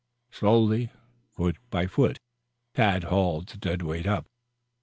Slowly, foot by foot Tad hauled the dead weight up.